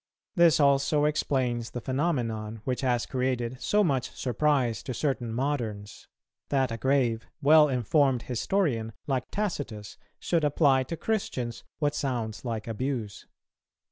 This also explains the phenomenon, which has created so much surprise to certain moderns; that a grave, well informed historian like Tacitus should apply to Christians what sounds like abuse.